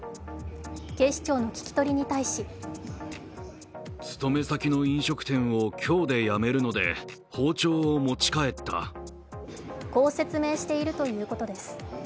警視庁の聞き取りに対しこう説明しているということです。